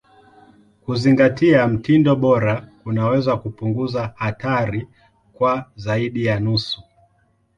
Kuzingatia mtindo bora kunaweza kupunguza hatari kwa zaidi ya nusu.